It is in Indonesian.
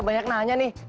banyak nanya nih